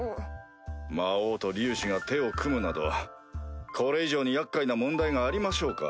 魔王と竜種が手を組むなどこれ以上に厄介な問題がありましょうか。